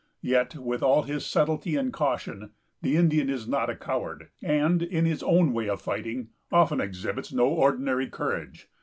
Yet, with all his subtlety and caution, the Indian is not a coward, and, in his own way of fighting, often exhibits no ordinary courage.